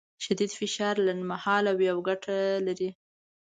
شدید فشار لنډمهاله وي او ګټه لري.